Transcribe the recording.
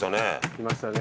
きましたね。